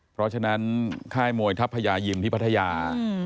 เพราะฉะนั้นค่ายมวยทัพยายิมที่พัทยา